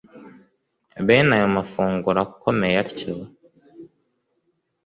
sbene ayo mafunguro akomeye atyo,